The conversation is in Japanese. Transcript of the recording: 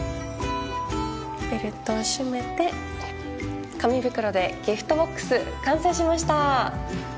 ベルトを締めて紙袋でギフトボックス完成しました！